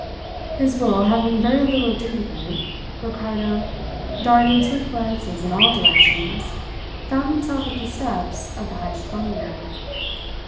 His will having very little to do with it, Ricardo, darting swift glances in all directions, found himself at the steps of the Heyst bungalow.